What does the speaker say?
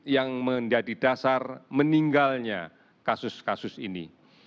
yang menjadi dasar meninggalnya kasus kasus ini